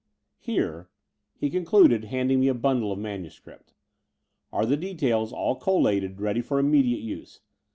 Here," he concluded, handing me a bundle of manuscript, ''are the de tails all collated, ready for immediate use.